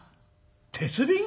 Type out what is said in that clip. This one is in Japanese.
「鉄瓶？